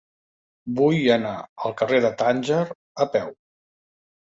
Vull anar al carrer de Tànger a peu.